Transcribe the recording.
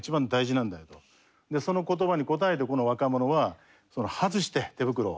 でその言葉に応えてこの若者は外して手袋を。